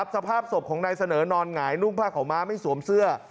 สภาพศพของนายเสนอนอนหงายนุ่งผ้าขาวม้าไม่สวมเสื้อ